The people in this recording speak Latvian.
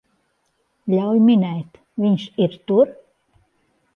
Ļauj minēt, viņš ir tur?